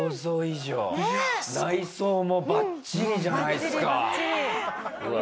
内装もバッチリじゃないですか。